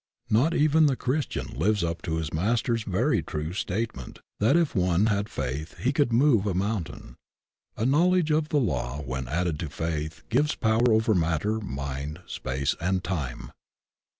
Not even the Christian lives up to his Master's very true statement that if one had faith he could remove a mountain. A knowledge of the law when added to faith gives power over mat ter, mind, space, and time.